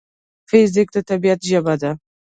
فزیک د طبیعت ژبه ده.